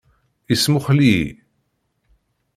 Ismuxell-iyi.